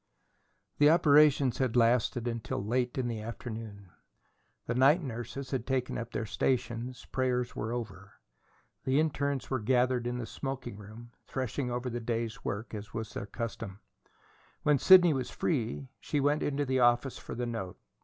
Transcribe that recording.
The operations had lasted until late in the afternoon. The night nurses had taken up their stations; prayers were over. The internes were gathered in the smoking room, threshing over the day's work, as was their custom. When Sidney was free, she went to the office for the note.